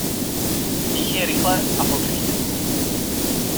Dýchej rychle a povrchně.